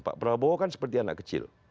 pak prabowo kan seperti anak kecil